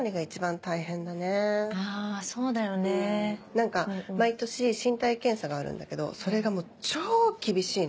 何か毎年身体検査があるんだけどそれがもう超厳しいの。